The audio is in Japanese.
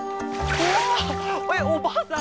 えっおばあさん